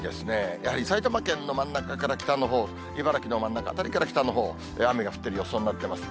やはり埼玉県の真ん中から北のほう、茨城の真ん中辺りから北のほう、雨が降ってる予想になってます。